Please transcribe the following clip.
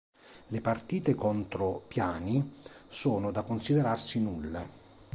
Le partite contro Piani sono da considerarsi nulle.